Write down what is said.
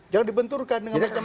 jangan dibenturkan dengan macam macam